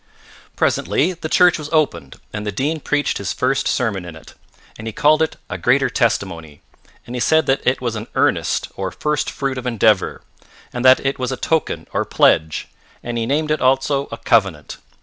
Presently the church was opened and the Dean preached his first sermon in it, and he called it a Greater Testimony, and he said that it was an earnest, or first fruit of endeavour, and that it was a token or pledge, and he named it also a covenant.